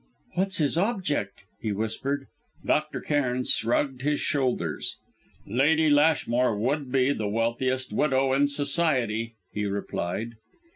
"What's his object?" he whispered. Dr. Cairn shrugged his shoulders. "Lady Lashmore would be the wealthiest widow in society," he replied.